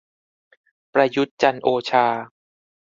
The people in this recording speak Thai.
ประยุทธ์ จันทร์โอชา